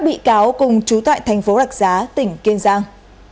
sáu bị cáo cùng trú tại thành phố đặc giá tỉnh kiên giang